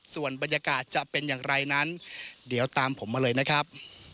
ส่วนบรรยากาศจะเป็นอย่างไรนั้นเดี๋ยวตามผมมาเลยนะครับ